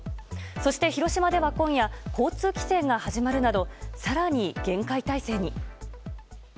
そして、広島では今夜交通規制が始まるなど更に厳戒態勢に。